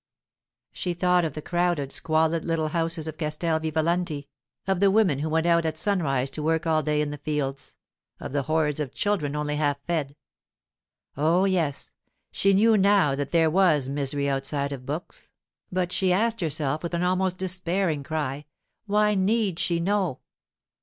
She thought of the crowded, squalid little houses of Castel Vivalanti; of the women who went out at sunrise to work all day in the fields, of the hordes of children only half fed. Oh, yes, she knew now that there was misery outside of books, but she asked herself, with an almost despairing cry, why need she know?